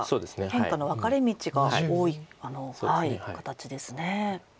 変化の分かれ道が多い形ですね。